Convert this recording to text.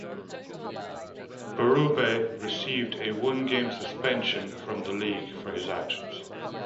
Berube received a one-game suspension from the league for his actions.